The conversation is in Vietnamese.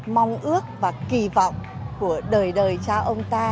mong ước và kỳ vọng của đời đời cha ông ta